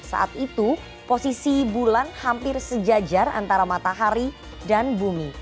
saat itu posisi bulan hampir sejajar antara matahari dan bumi